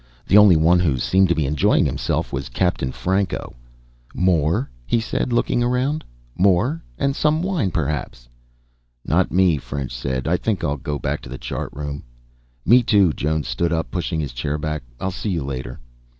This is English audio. The only one who seemed to be enjoying himself was Captain Franco. "More?" he said, looking around. "More? And some wine, perhaps." "Not me," French said. "I think I'll go back to the chart room." "Me, too." Jones stood up, pushing his chair back. "I'll see you later."